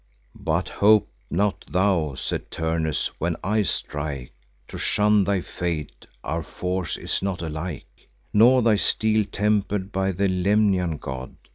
"But hope not thou," said Turnus, "when I strike, To shun thy fate: our force is not alike, Nor thy steel temper'd by the Lemnian god."